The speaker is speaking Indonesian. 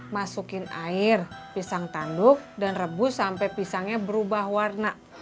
masukin air pisang tanduk dan rebus sampai pisangnya berubah warna